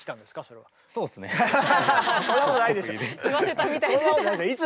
言わせたみたい。